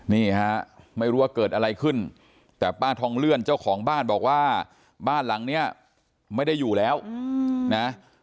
นี่ฮะไม่รู้ว่าเกิดอะไรขึ้นแต่ป้าทองเลื่อนเจ้าของบ้านบอกว่าบ้านหลังเนี้ยไม่ได้อยู่แล้วนะ